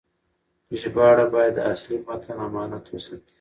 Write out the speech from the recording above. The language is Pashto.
ژباړه باید د اصلي متن امانت وساتي.